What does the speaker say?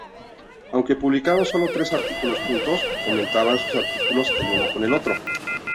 Aunque publicaron sólo tres artículos juntos, comentaban sus artículos el uno con el otro.